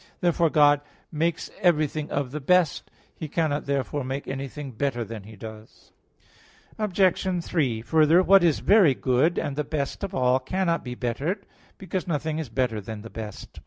Therefore God makes everything of the best. He cannot therefore make anything better than He does. Obj. 3: Further, what is very good and the best of all cannot be bettered; because nothing is better than the best.